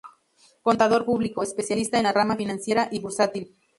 Contador público, especialista en la rama financiera y bursátil.